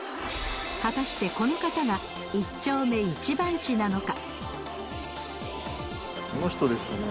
果たしてこの方が一丁目一番地なのか？